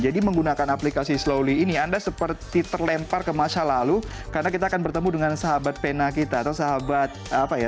jadi menggunakan aplikasi slowly ini anda seperti terlempar ke masa lalu karena kita akan bertemu dengan sahabat pena kita atau sahabat apa ya